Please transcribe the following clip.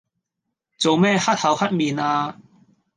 做咩黑口黑面呀？